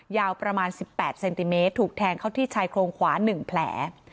ยาวประมาณ๑๘เซนติเมตรถูกแทงเข้าที่ชายโครงขวา๑แผล